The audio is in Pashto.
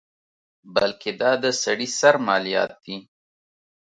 بلکې دا د سړي سر مالیات دي.